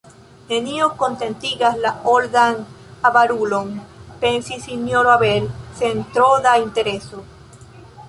Nenio kontentigas la oldan avarulon, pensis Sinjoro Abel sen tro da intereso.